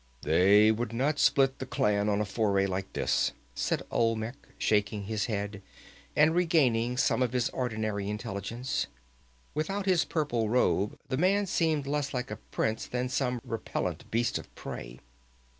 "They would not split the clan on a foray like this," said Olmec, shaking his head, and regaining some of his ordinary intelligence. Without his purple robe the man seemed less like a prince than some repellent beast of prey.